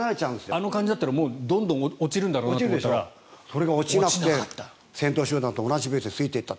あの感じだったらどんどん落ちるんだろうなと思ったらそれが落ちなくて先頭集団と同じペースでついていった。